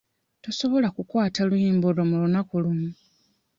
Tosobola kukwata luyimba olwo mu lunaku lumu.